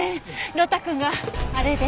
呂太くんがあれで。